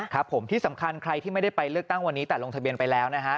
ครับผมที่สำคัญใครที่ไม่ได้ไปเลือกตั้งวันนี้แต่ลงทะเบียนไปแล้วนะฮะ